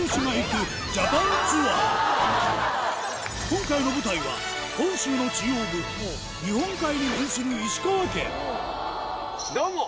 今回の舞台は本州の中央部日本海に面するどうも！